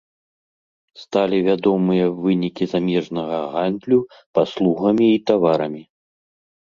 Сталі вядомыя вынікі замежнага гандлю паслугамі і таварамі.